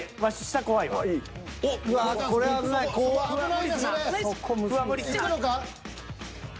いくのか？